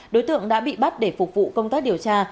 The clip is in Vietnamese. đối tượng đã bị bắt để phục vụ công tác điều tra